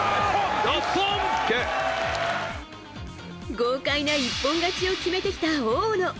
豪快な一本勝ちを決めてきた大野。